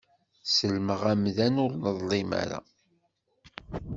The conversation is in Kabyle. Sellmeɣ amdan ur neḍlim ara.